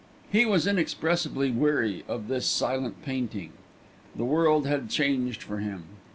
He was inexpressibly weary of this silent painting. The world had changed for him.